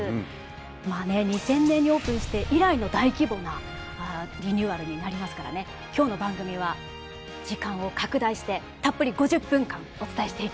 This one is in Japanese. まあね２０００年にオープンして以来の大規模なリニューアルになりますからね今日の番組は時間を拡大してたっぷり５０分間お伝えしていきます。